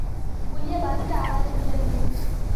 বলিয়া বাতিটা আড়াল করিয়া দিলেন।